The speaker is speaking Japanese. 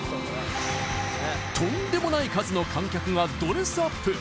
とんでもない数の観客がドレスアップ